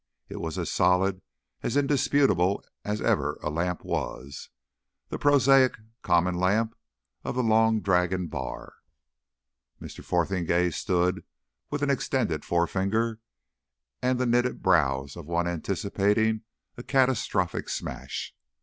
It was as solid, as indisputable as ever a lamp was, the prosaic common lamp of the Long Dragon bar. Mr. Fotheringay stood with an extended forefinger and the knitted brows of one anticipating a catastrophic smash.